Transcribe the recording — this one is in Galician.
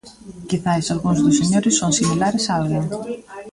Quizais algúns dos señores son similares a alguén.